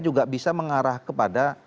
juga bisa mengarah kepada